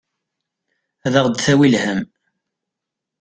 Ad aɣ-d-tawi lhemm.